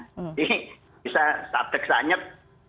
jadi bisa sabdek sanyet